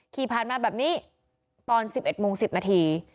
ขี่ผ่านมาแบบนี้ตอน๑๑โมง๑๐นาที